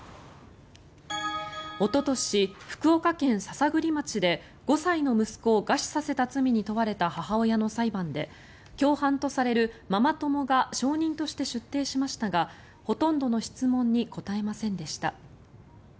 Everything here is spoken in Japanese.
おととし、福岡県篠栗町で５歳の息子を餓死させた罪に問われた母親の裁判で共犯とされるママ友が証人として出廷しましたがほとんどの質問に答えませんでした。